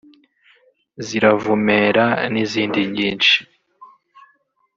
‘Ziravumera’ n’izindi nyinshi